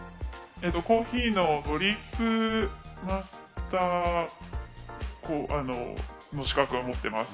コーヒーのドリップマスターの資格は持ってます。